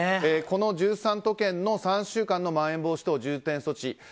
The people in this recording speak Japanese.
この１３都県の３週間のまん延防止等重点措置。